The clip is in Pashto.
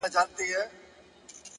تر تا څو چنده ستا د زني عالمگير ښه دی ـ